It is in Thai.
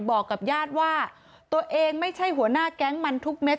บอกกับญาติว่าตัวเองไม่ใช่หัวหน้าแก๊งมันทุกเม็ด